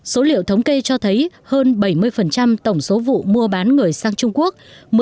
số liệu thống kê cho thấy hơn bảy mươi tổng số vụ mua bán người sang trung quốc